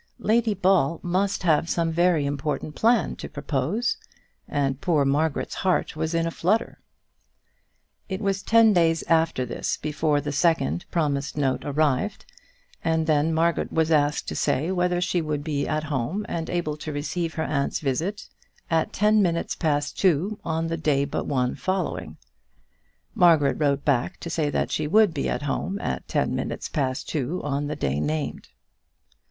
Lady Ball must have some very important plan to propose, and poor Margaret's heart was in a flutter. It was ten days after this before the second promised note arrived, and then Margaret was asked to say whether she would be at home and able to receive her aunt's visit at ten minutes past two on the day but one following. Margaret wrote back to say that she would be at home at ten minutes past two on the day named.